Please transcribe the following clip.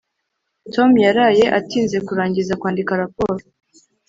tom yaraye atinze kurangiza kwandika raporo.